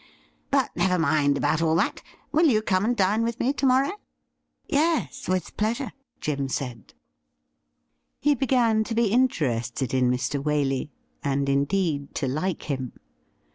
But never mind about all that — will you come and dine with me to morrow ?'' Yes, with pleasure,' Jim said. 40 THE RIDDLE RING He began to be interested in Mr. Waley, and, indeed, to like him.